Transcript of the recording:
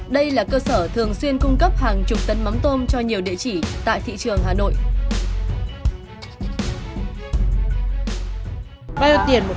đây là cơ sở thường xuyên cung cấp hàng chục tấn mắm tôm cho nhiều địa chỉ tại thị trường hà nội